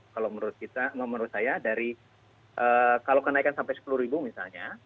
kalau menurut saya dari kalau kenaikan sampai sepuluh ribu misalnya